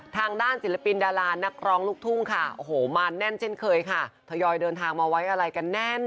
ทางด้านศิลปินดารานักร้องลูกทุ่งค่ะโอ้โหมาแน่นเช่นเคยค่ะทยอยเดินทางมาไว้อะไรกันแน่น